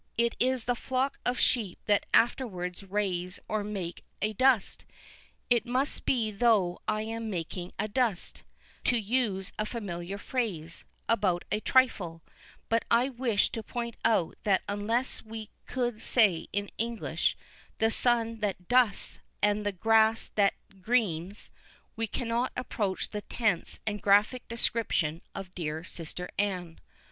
It is the flock of sheep that afterwards raise or make a dust. It may be thought I am "making a dust," to use a familiar phrase, about a trifle; but I wished to point out that unless we could say in English, "the sun that dusts and the grass that greens," we cannot approach the terse and graphic description of dear Sister Anne.